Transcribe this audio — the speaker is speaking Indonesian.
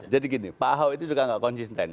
jadi gini pak ahok itu juga nggak konsisten